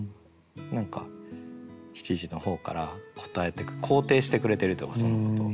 何か七時の方から答えというか肯定してくれてるというかそのことを。